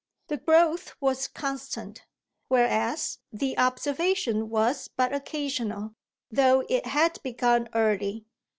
The growth was constant, whereas the observation was but occasional, though it had begun early.